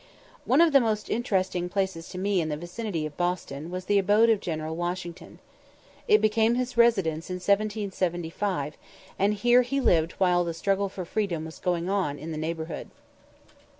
One of the most interesting places to me in the vicinity of Boston was the abode of General Washington. It became his residence in 1775, and here he lived while the struggle for freedom was going on in the neighbourhood.